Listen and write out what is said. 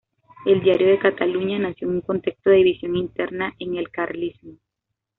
El "Diario de Cataluña" nació en un contexto de división interna en el carlismo.